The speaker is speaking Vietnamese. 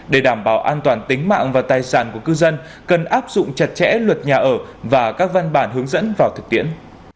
để đảm bảo an toàn tính mạng và tài sản của cư dân cần áp dụng chặt chẽ luật nhà ở và các văn bản hướng dẫn vào thực tiễn